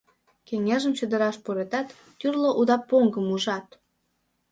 Кеҥежым чодыраш пуретат, тӱрлӧ уда поҥгым ужат.